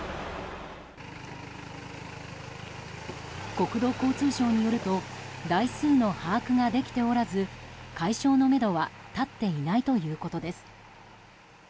国土交通省によると台数の把握ができておらず解消のめどは立っていないということです。